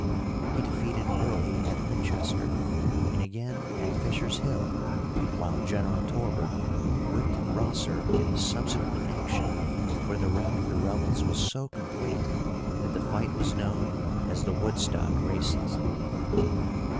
He defeated Early at Winchester and again at Fisher's Hill, while General Torbert whipped Rosser in a subsequent action, where the rout of the rebels was so complete that the fight was known as the "Woodstock races."